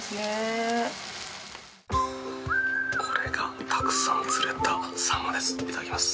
これがたくさん釣れたサンマです。